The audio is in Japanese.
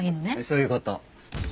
そういう事。